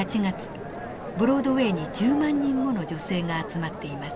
ブロードウェイに１０万人もの女性が集まっています。